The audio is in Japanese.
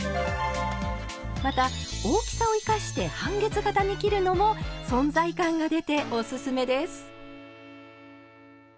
また大きさを生かして半月形に切るのも存在感が出ておすすめです。